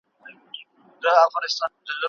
ایا دا مواد په علمي ډول ترتیب سوي دي؟